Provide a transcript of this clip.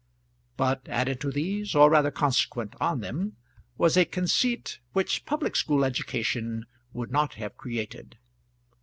But added to these, or rather consequent on them, was a conceit which public school education would not have created.